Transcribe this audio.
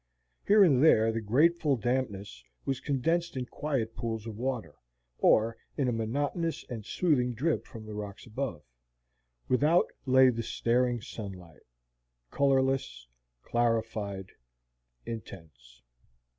Here and there the grateful dampness was condensed in quiet pools of water, or in a monotonous and soothing drip from the rocks above. Without lay the staring sunlight, colorless, clarified, intense.